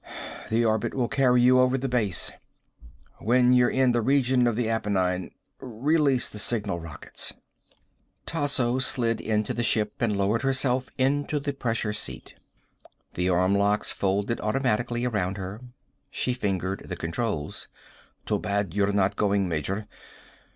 The orbit will carry you over the Base. When you're in the region of the Appenine, release the signal rockets." Tasso slid into the ship and lowered herself into the pressure seat. The arm locks folded automatically around her. She fingered the controls. "Too bad you're not going, Major.